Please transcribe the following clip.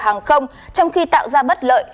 hàng không trong khi tạo ra bất lợi